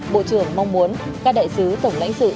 bộ trưởng mong muốn các đại sứ tổng lãnh sự